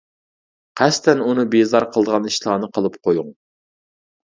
قەستەن ئۇنى بىزار قىلىدىغان ئىشلارنى قىلىپ قويۇڭ.